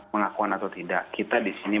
pengakuan atau tidak kita disini